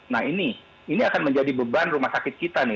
nah ini ini akan menjadi beban rumah sakit kita nih